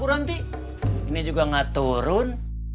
kurang sih ini juga gak turun